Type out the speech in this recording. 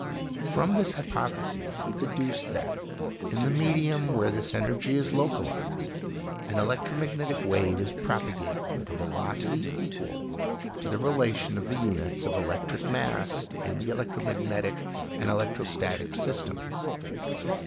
From this hypothesis he deduced that, in the medium where this energy is localized, an electromagnetic wave is propagated with a velocity equal to the relation of the units of electric mass in the electromagnetic and electrostatic systems.